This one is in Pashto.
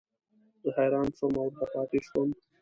زه حیران شوم او ورته پاتې شوم.